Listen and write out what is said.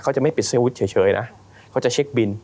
เขาจะไม่ปิดเซลวุฒิเฉยนะเขาจะเช็คบิน